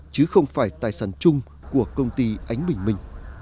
chứ không phải tài sản chung của công ty ánh bình minh